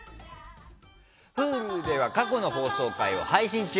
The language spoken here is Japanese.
Ｈｕｌｕでは過去の放送回を配信中。